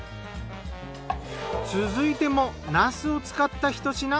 続いてもなすを使ったひと品。